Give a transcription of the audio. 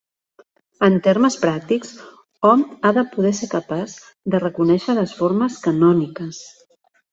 En termes pràctics, hom ha de poder ser capaç de reconèixer les formes canòniques.